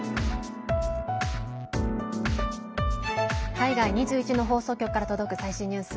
海外２１の放送局から届く最新ニュース。